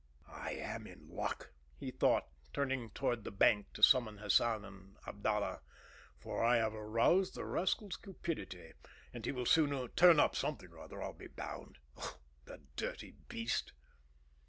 "I am in luck," he thought, turning toward the bank to summon Hassan and Abdallah; "for I have aroused the rascal's cupidity, and he will soon turn up something or other, I'll be bound. Ugh! the dirty beast."